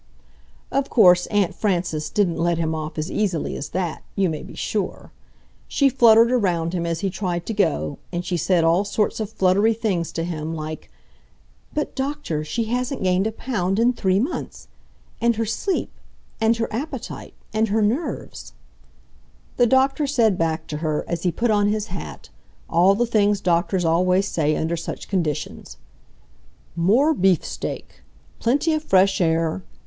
Of course Aunt Frances didn't let him off as easily as that, you may be sure. She fluttered around him as he tried to go, and she said all sorts of fluttery things to him, like "But, Doctor, she hasn't gained a pound in three months ... and her sleep ... and her appetite ... and her nerves ..." [Illustration: Elizabeth Ann stood up before the doctor.] The doctor said back to her, as he put on his hat, all the things doctors always say under such conditions: "More beefsteak ... plenty of fresh air